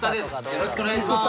よろしくお願いします。